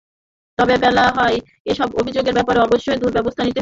এতে বলা হয়, এসব অভিযোগের ব্যাপারে অবশ্যই দ্রুত ব্যবস্থা নিতে হবে।